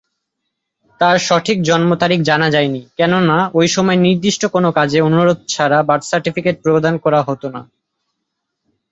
তার সঠিক জন্ম তারিখ জানা যায়নি কেননা ঐ সময়ে নির্দিষ্ট কোন কাজে অনুরোধ ছাড়া বার্থ সার্টিফিকেট প্রদান করা হত না।